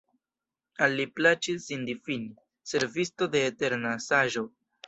Al li plaĉis sin difini «Servisto de eterna Saĝo».